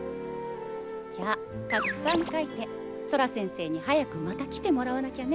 じゃあたくさん描いてソラ先生に早くまた来てもらわなきゃね。